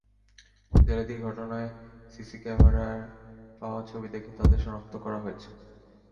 জালিয়াতির ঘটনায় সিসি ক্যামেরায় পাওয়া ছবি দেখে তাঁদের শনাক্ত করা হয়েছে।